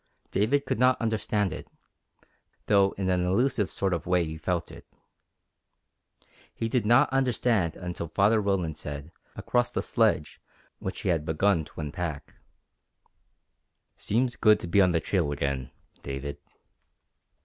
David could not understand it, though in an elusive sort of way he felt it. He did not understand until Father Roland said, across the sledge, which he had begun to unpack: "Seems good to be on the trail again, David."